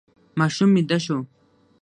ماشوم ویده شو.